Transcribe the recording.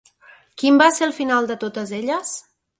Quin va ser el final de totes elles?